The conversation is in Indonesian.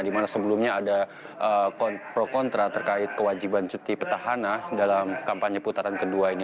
di mana sebelumnya ada pro kontra terkait kewajiban cuti petahana dalam kampanye putaran kedua ini